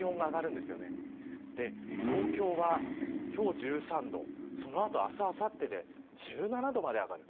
そして、東京は今日１３度その後は明日、あさってで１７度まで上がります。